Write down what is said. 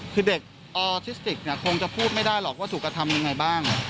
คือเด็กออทิสติกคงจะพูดไม่ได้หรอกว่าสุขธรรมยังไงบ้าง